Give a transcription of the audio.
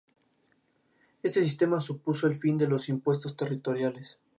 Fue pintado por escribas mexicas, quienes usaron el formato pictórico antiguo.